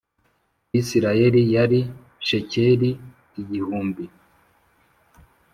Bisirayeli yari shekeli igihumbi